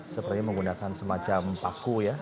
sepertinya menggunakan semacam paku ya